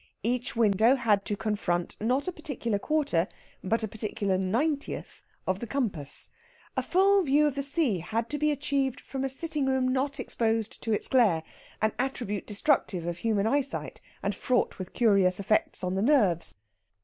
Each window had to confront, not a particular quarter, but a particular ninetieth, of the compass. A full view of the sea had to be achieved from a sitting room not exposed to its glare, an attribute destructive of human eyesight, and fraught with curious effects on the nerves.